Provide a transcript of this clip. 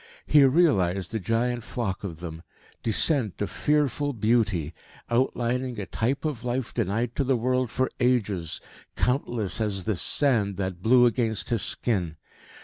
He realised the giant flock of them descent of fearful beauty outlining a type of life denied to the world for ages, countless as this sand that blew against his skin.